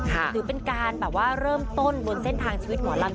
หรือเป็นการแบบว่าเริ่มต้นบนเส้นทางชีวิตหมอลำ